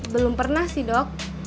belum pernah sih dok